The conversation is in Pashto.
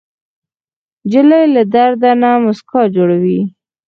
نجلۍ له درد نه موسکا جوړوي.